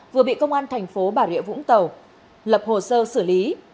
vừa bị công an thành phố bà rịa vũng tàu lập hồ sơ xử lý